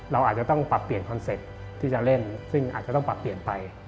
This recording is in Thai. เราอาจจะต้องปรับเปลี่ยนคอนเซ็ปต์ที่จะเล่นซึ่งอาจจะต้องปรับเปลี่ยนไป